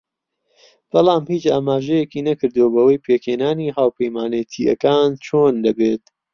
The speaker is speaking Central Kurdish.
بەڵام هیچ ئاماژەیەکی نەکردووە بەوەی پێکهێنانی هاوپەیمانێتییەکان چۆن دەبێت